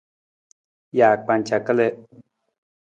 Jaakpanca kalii.